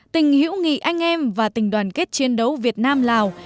tình hữu nghị anh em và tình đoàn kết chiến đấu việt nam lào